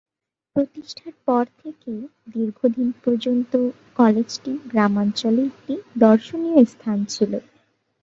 প্রতিষ্ঠার পর থেকে দীর্ঘদিন পর্যন্ত কলেজটি গ্রামাঞ্চলে একটি দর্শনীয় স্থান ছিল।